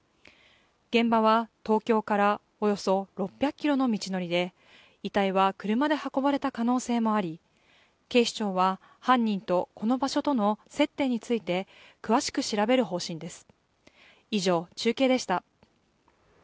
現場は東京からおよそ６００ｋｍの道のりで遺体は車で運ばれた可能性もあり警視庁は犯人とこの場所との接点について詳しく調べる方針です。